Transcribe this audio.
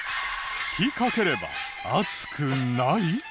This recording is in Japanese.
吹きかければ熱くない？